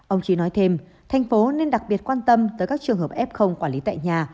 ông trí nói thêm thành phố nên đặc biệt quan tâm tới các trường hợp f quản lý tại nhà